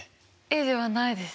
ではないです。